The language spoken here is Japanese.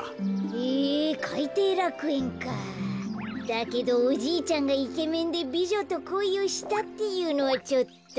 だけどおじいちゃんがイケメンでびじょとこいをしたっていうのはちょっと。